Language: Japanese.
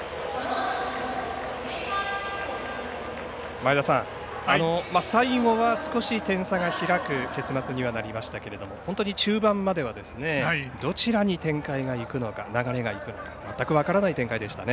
前田さん、最後は少し点差が開く結末にはなりましたけれども本当に中盤まではどちらに展開がいくのか流れがいくのか、全く分からない展開でしたね。